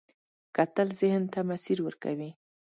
کتل ذهن ته مسیر ورکوي